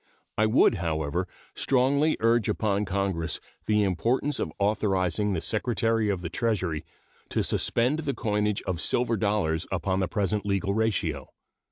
I would, however, strongly urge upon Congress the importance of authorizing the Secretary of the Treasury to suspend the coinage of silver dollars upon the present legal ratio.